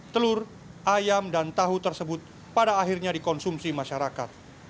telur ayam dan tahu tersebut pada akhirnya dikonsumsi masyarakat